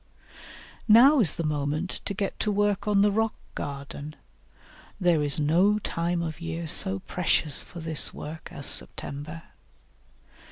Now is the moment to get to work on the rock garden; there is no time of year so precious for this work as September.